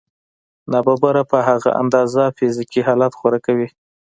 ناببره په هماغه اندازه فزیکي حالت غوره کوي